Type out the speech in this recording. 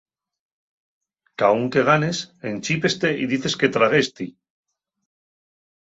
Caún que ganes, enchípeste y dices traguesti.